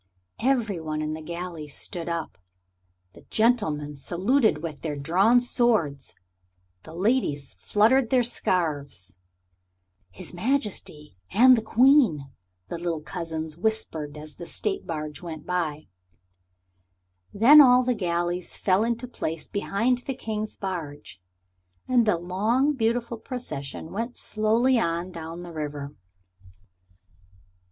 Every one in the galley stood up: the gentlemen saluted with their drawn swords, the ladies fluttered their scarves. [Illustration: "THE GALLEY WAS DECKED WITH FRESH FLOWERS" [Page 102] "His Majesty and the Queen," the little cousins whispered as the State Barge went by. Then all the galleys fell into place behind the King's barge, and the long, beautiful procession went slowly on down the river.